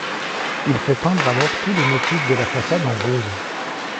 Il fait peindre alors tous les motifs de la façade en rose.